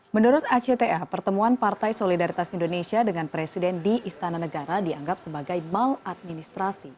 menurut acta pertemuan partai solidaritas indonesia dengan presiden di istana negara dianggap sebagai maladministrasi